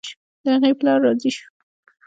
د هغې پلار راضي شو.